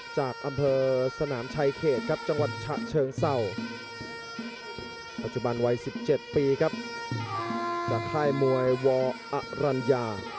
จากค่ายมวยวอรัญญา